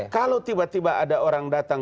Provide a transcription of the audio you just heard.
kalau tiba tiba ada orang datang